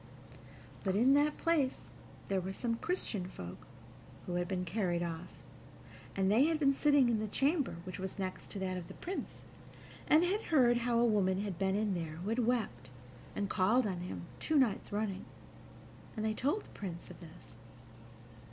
But in that place there were some Christian folk who had been carried off, and they had been sitting in the chamber which was next to that of the Prince, and had heard how a woman had been in there who had wept and called on him two nights running, and they told the Prince of this.